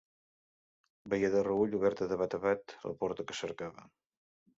Veié de reüll oberta de bat a bat la porta que cercava.